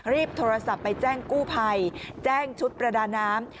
รีบโทรศัพท์ไปแจ้งกู้ภัยแจ้งชุดประดาน้ำ